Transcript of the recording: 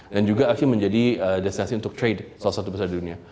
dan juga menjadi destinasi untuk trade salah satu terbesar di dunia